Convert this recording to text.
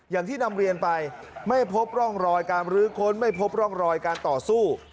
อย่างที่นำเรียนไปไม่พบร่องรอยการบรื้อค้นไม่พบร่องรอยการต่อสู้